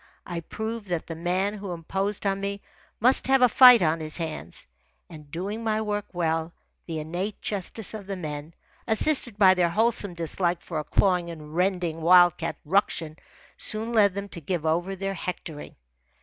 I proved that the man who imposed on me must have a fight on his hands. And doing my work well, the innate justice of the men, assisted by their wholesome dislike for a clawing and rending wild cat ruction, soon led them to give over their hectoring.